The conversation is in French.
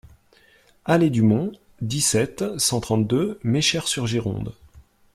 Allée du Mont, dix-sept, cent trente-deux Meschers-sur-Gironde